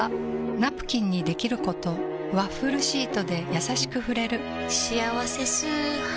ナプキンにできることワッフルシートでやさしく触れる「しあわせ素肌」